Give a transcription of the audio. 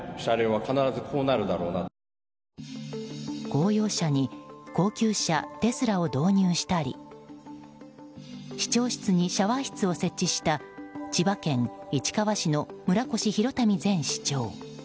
公用車に高級車テスラを導入したり市長室にシャワー室を設置した千葉県市川市の村越祐民前市長。